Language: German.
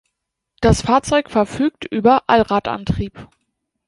Das Fahrzeug verfügt über Allradantrieb.